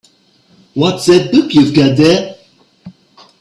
What's that book you've got there?